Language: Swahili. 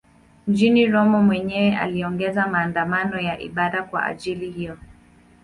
Mjini Roma mwenyewe aliongoza maandamano ya ibada kwa ajili hiyo.